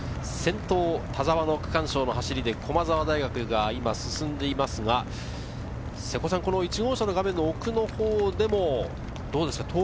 先頭、田澤の区間賞の走りで駒澤大学が今進んでいますが、１号車の画面の奥のほうでもどうですか？